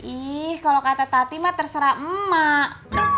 ih kalo kata tati mak terserah emak